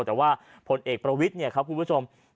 แต่ว่าผลเอกประวิทย์เนี่ยครับคุณผู้ชม